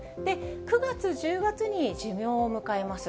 ９月、１０月に寿命を迎えます。